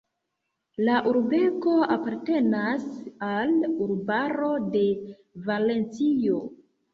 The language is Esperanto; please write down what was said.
La urbego apartenas al urbaro de Valencio.